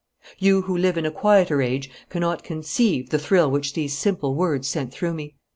You who live in a quieter age cannot conceive the thrill which these simple words sent through me.